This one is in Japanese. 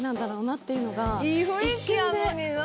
いい雰囲気やのにな。